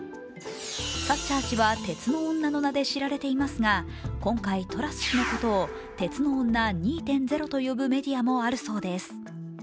サッチャー氏は鉄の女の名で知られていますが今回トラス氏のことを鉄の女２．０と呼ぶメディアもあるそうです。